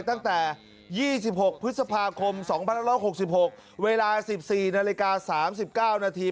ตั้งแต่๒๖พฤษภาคม๒๑๖๖เวลา๑๔นาฬิกา๓๙นาที